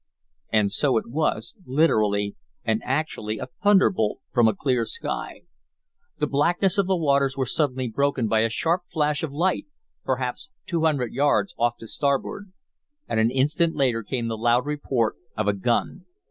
And so it was literally and actually a thunderbolt from a clear sky. The blackness of the waters was suddenly broken by a sharp flash of light, perhaps two hundred yards off to starboard. And an instant later came the loud report of a gun.